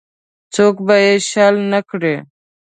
څوک به یې شل نه کړي.